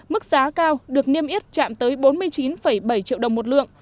mức giá cao được niêm yết chạm tới bốn mươi chín bảy triệu đồng một lượng